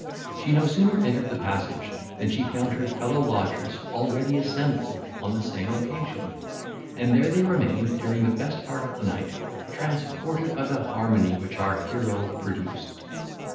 She no sooner entered the passage, than she found her fellow lodgers already assembled on the same occasion; and there they remained during the best part of the night, transported by the harmony which our hero produced.